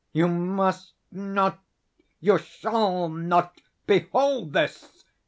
"You must not—you shall not behold this!"